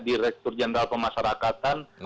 direktur jenderal pemasarakatan